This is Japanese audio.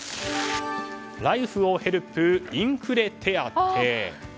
ライフをヘルプインフレ手当。